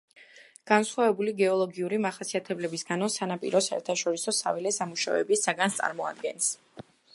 განსხვავებული გეოლოგიური მახასიათებლების გამო, სანაპირო საერთაშორისო საველე სამუშაოების საგანს წარმოადგენს.